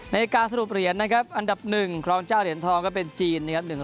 ในการสรุปเหรียญนะครับอันดับ๑ครองเจ้าเหรียญทองก็เป็นจีนนะครับ